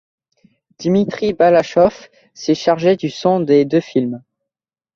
Dimitri Balachoff s'est chargé du son des deux films.